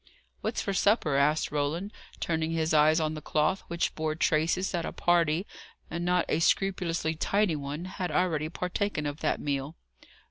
"What's for supper?" asked Roland, turning his eyes on the cloth, which bore traces that a party, and not a scrupulously tidy one, had already partaken of that meal.